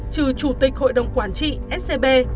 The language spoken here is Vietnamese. trừ chủ tịch hội đồng quản trị scb